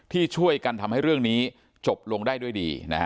ที่ช่วยกันทำให้เรื่องนี้จบลงได้ด้วยดี